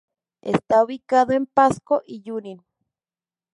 Está ubicado en Pasco y Junin.